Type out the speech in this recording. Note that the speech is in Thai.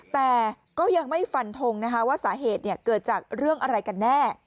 แต่ก็ยังไม่ฟันทงนะคะว่าสาเหตุเกิดจากเรื่องอะไรกันแน่